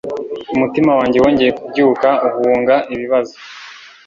umutima wanjye wongeye kubyuka, uhunga ibibazo